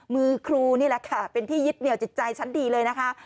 มือครูนี่แหละค่ะเป็นที่ยึดเหนียวจิตใจชั้นดีเลยนะคะ